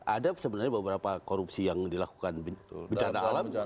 ada sebenarnya beberapa korupsi yang dilakukan bencana alam